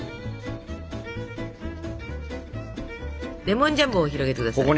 レモンジャムを広げて下さい。